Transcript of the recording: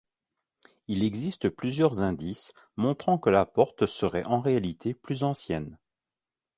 Il existe plusieurs indices montrant que la porte serait en réalité plus ancienne.